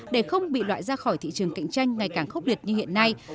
để không bị loại ra khỏi thị trường cạnh tranh ngày càng khốc liệt như hiện nay